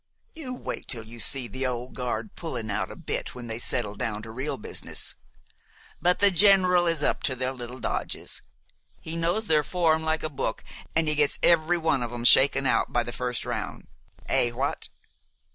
You wait till you see the old guard pullin' out a bit when they settle down to real business. But the General is up to their little dodges. He knows their form like a book, an' he gets every one of 'em shaken out by the first round Eh, what?"